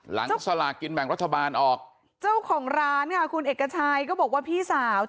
สลากินแบ่งรัฐบาลออกเจ้าของร้านค่ะคุณเอกชัยก็บอกว่าพี่สาว